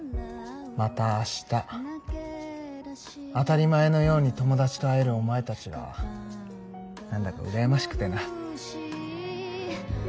また明日当たり前のように友達と会えるお前たちが何だか羨ましくてな。